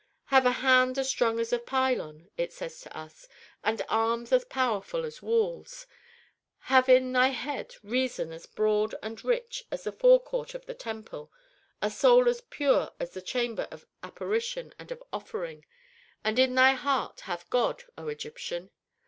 'Have a hand as strong as a pylon,' it says to us, 'and arms as powerful as walls. Have in thy head reason as broad and rich as the forecourt of the temple, a soul as pure as the chamber of "apparition" and of "offering," and in thy heart have God, O Egyptian!'